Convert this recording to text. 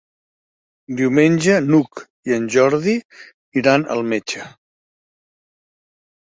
Diumenge n'Hug i en Jordi iran al metge.